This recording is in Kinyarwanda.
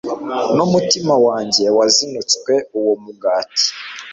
n'umutima wanjye wazinutswe uwo mugati